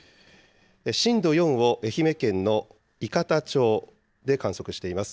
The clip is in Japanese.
震度４を愛媛県の伊方町で観測しています。